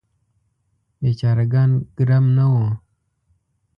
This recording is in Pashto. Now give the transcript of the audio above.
بیچاره ګان ګرم نه وو.